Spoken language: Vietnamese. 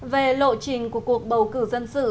về lộ trình của cuộc bầu cử dân sự